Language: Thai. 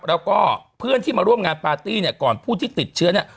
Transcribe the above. แล้วก็เพื่อนที่มาร่วมงานปาร์ตี้เนี่ยก่อนผู้ที่ติดเชื้อเนี่ย